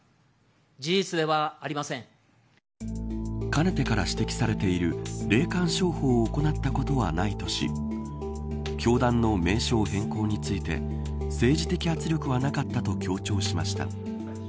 かねてから指摘されている霊感商法を行ったことはないとし教団の名称変更について政治的圧力はなかったと強調しました。